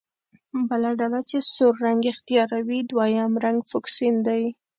بله ډله چې سور رنګ اختیاروي دویم رنګ فوکسین دی.